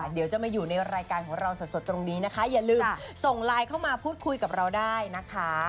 เดี๋ยวจะมาอยู่ในรายการของเราสดตรงนี้นะคะอย่าลืมส่งไลน์เข้ามาพูดคุยกับเราได้นะคะ